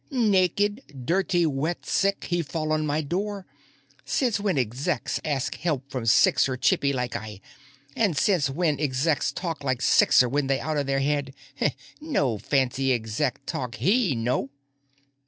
"Naked, dirty wet, sick, he fall on my door. Since when Execs ask help from Sixer chippie like I? And since when Execs talk like Sixer when they out of they head? No fancy Exec talk, he, no."